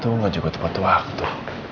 tunggu juga tepat waktu